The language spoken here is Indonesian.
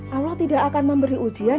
allah tidak akan memberi ujian